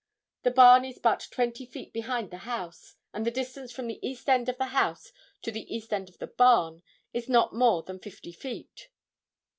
The barn is but twenty feet behind the house, and the distance from the east end of the house to the east end of the barn is not more than fifty feet.